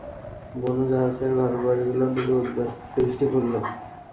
বনু জাহাসের ঘরবাড়ীগুলোর দিকে উৎবার দৃষ্টি পড়ল।